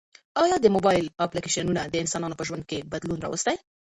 ایا د موبایل اپلیکیشنونه د انسانانو په ژوند کې بدلون راوستی؟